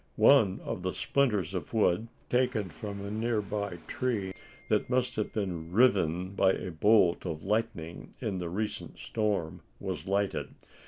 One of the splinters of wood, taken from a near by tree that must have been riven by a bolt of lightning in the recent storm, was lighted.